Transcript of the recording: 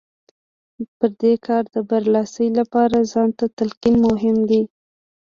پر دې کار د برلاسۍ لپاره ځان ته تلقين مهم دی.